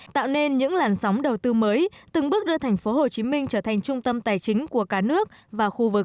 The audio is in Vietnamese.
tạo nên những làn sóng đầu tư mới từng bước đưa thành phố hồ chí minh trở thành trung tâm tài chính của cả nước và khu vực